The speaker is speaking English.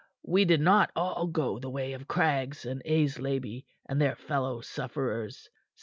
We did not all go the way of Craggs and Aislabie and their fellow sufferers.